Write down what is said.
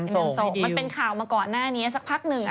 มันเป็นข่าวมาก่อนหน้านี้สักพักหนึ่ง